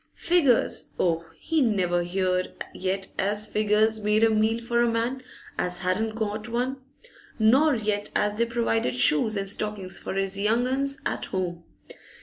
Figures, oh? He never heered yet as figures made a meal for a man as hadn't got one; nor yet as they provided shoes and stockings for his young 'uns at 'ome.